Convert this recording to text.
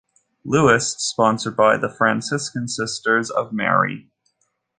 Louis, sponsored by the Franciscan Sisters of Mary.